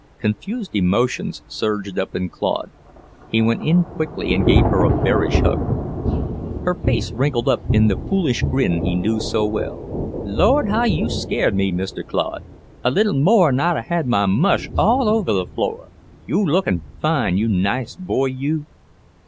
Confused emotions surged up in Claude. He went in quickly and gave her a bearish hug. Her face wrinkled up in the foolish grin he knew so well. "Lord, how you scared me, Mr. Claude! A little more'n I'd 'a' had my mush all over the floor. You lookin' fine, you nice boy, you!"